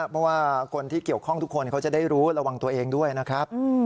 เพราะว่าคนที่เกี่ยวข้องทุกคนเขาจะได้รู้ระวังตัวเองด้วยนะครับ